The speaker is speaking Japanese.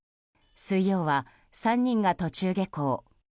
水曜は３人が途中下校。